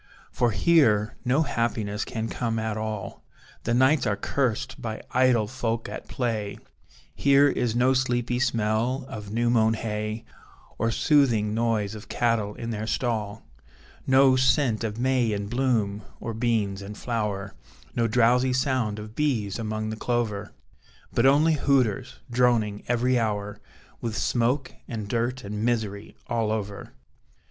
For here, no happiness can come at all, The nights are cursed by idle folk at play; Here is no sleepy smell of new mown hay, Or soothing noise of cattle in their stall; No scent of may in bloom, or beans in flower, No drowsy sound of bees among the clover; But only hooters, droning every hour; With smoke and dirt and misery all over.